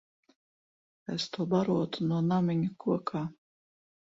Es to barotu no namiņa kokā.